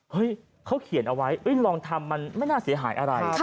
เขาเขียนเอาไว้ลองทำมันไม่น่าเสียหายอะไร